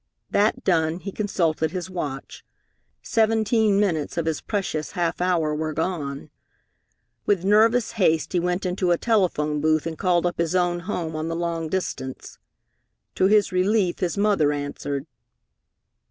That done, he consulted his watch. Seventeen minutes of his precious half hour were gone. With nervous haste he went into a telephone booth and called up his own home on the long distance. To his relief, his mother answered.